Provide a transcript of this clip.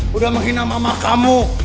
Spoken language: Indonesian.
sudah menghina mama kamu